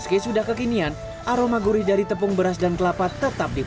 meski sudah kekinian aroma gurih dari tepung beras dan kelapa tetap diperlukan